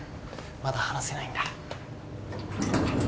まだ話せないんだ。